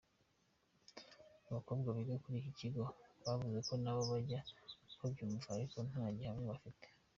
Abakobwa biga kuri iki kigo bavuze nabo bajya babyumva ariko nta gihamya bafite.